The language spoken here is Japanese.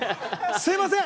すみません！